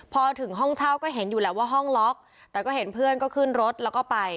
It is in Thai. พอถึงห้องเช่าก็เห็นอยู่แหละว่าห้องล็อกแต่ก็เห็นเพื่อนก็ขึ้นรถแล้วก็ไป